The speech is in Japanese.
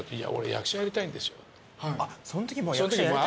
「役者やりたいんですよ」